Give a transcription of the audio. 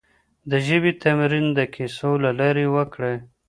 د ژبې تمرين د کيسو له لارې وکړئ.